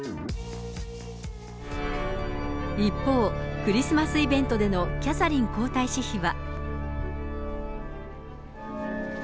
一方、クリスマスイベントでのキャサリン皇太子妃は。